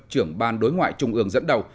trưởng ban đối ngoại trung ương dẫn đầu